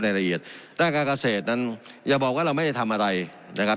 รายละเอียดด้านการเกษตรนั้นอย่าบอกว่าเราไม่ได้ทำอะไรนะครับ